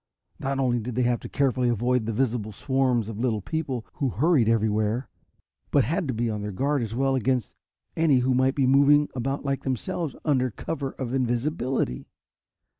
Not only did they have to carefully avoid the visible swarms of little people who hurried everywhere, but had to be on their guard as well against any who might be moving about like themselves under cover of invisibility.